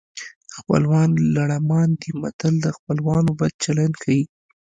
خپلوان لړمان دي متل د خپلوانو بد چلند ښيي